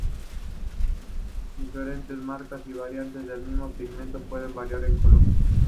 Diferentes marcas y variantes del mismo pigmento pueden variar en color.